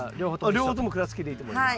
両方とも鞍つきでいいと思います。